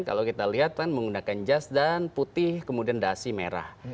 kalau kita lihat kan menggunakan jas dan putih kemudian dasi merah